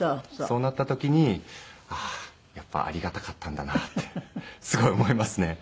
そうなった時にああーやっぱりありがたかったんだなってすごい思いますね。